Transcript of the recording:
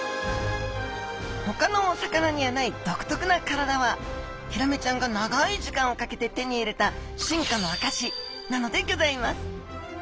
ほかのお魚にはない独特な体はヒラメちゃんが長い時間をかけて手に入れた進化の証しなのでギョざいます！